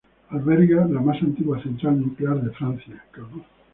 Alberga la más antigua central nuclear de Francia.